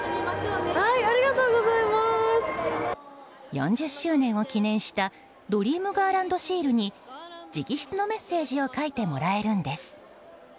４０周年を記念したドリームガーランドシールに直筆のメッセージを書いてもらえるんです。